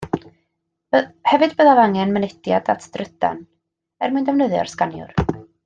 Hefyd byddaf angen mynediad at drydan er mwyn defnyddio'r sganiwr